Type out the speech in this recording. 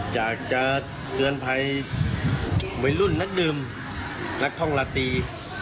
อยากจะเตือนภัยวัยรุ่นนักดื่มนักท่องราตรี